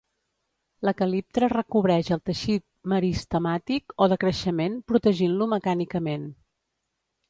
La caliptra recobreix el teixit meristemàtic o de creixement protegint-lo mecànicament.